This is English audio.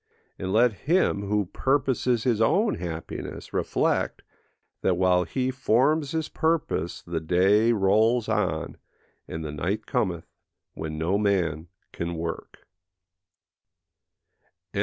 And let him, who purposes his own happiness, reflect, that while he forms his purpose the day rolls on, and the night cometh when no man can work. No.